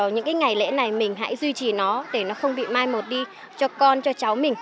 những cái ngày lễ này mình hãy duy trì nó để nó không bị mai một đi cho con cho cháu mình